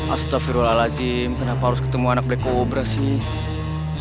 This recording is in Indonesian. astagfirullahaladzim kenapa harus ketemu anak black cobra sih